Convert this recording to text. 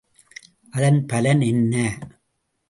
அதன் பலன் என்ன?